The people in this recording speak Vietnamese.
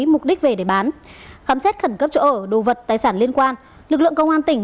mục đích về để bán khám xét khẩn cấp chỗ ở đồ vật tài sản liên quan lực lượng công an tỉnh